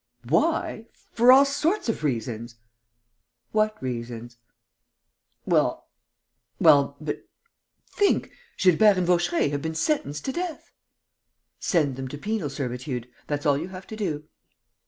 "Why? For all sorts of reasons!" "What reasons?" "Well ... well, but ... think! Gilbert and Vaucheray have been sentenced to death!" "Send them to penal servitude: that's all you have to do."